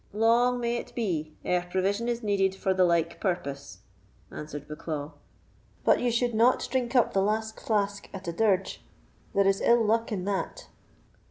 "Long may it be ere provision is needed for the like purpose," answered Bucklaw; "but you should not drink up the last flask at a dirge; there is ill luck in that."